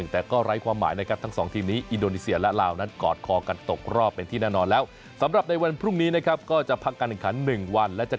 แต่ก็ไร้ความหมายนะครับทั้ง๒ทีมนี้อินโดนีเซียและลาวนั้นกอดคอกันตกรอบเป็นที่แน่นอนแล้ว